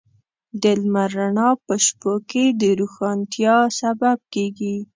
د لمر رڼا په شپو کې د روښانتیا سبب کېږي.